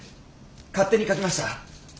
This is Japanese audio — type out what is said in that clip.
勝手にかきました。